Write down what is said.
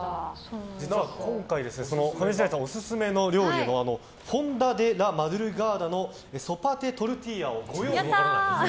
実は今回上白石さんオススメの料理フォンダ・デ・ラ・マドゥルガーダのソパ・デ・トルティーヤをご用意しました。